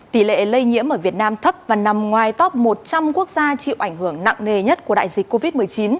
tỷ lệ lây nhiễm ở việt nam thấp và nằm ngoài top một trăm linh quốc gia chịu ảnh hưởng nặng nề nhất của đại dịch covid một mươi chín